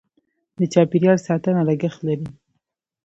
د چاپیریال ساتنه لګښت لري.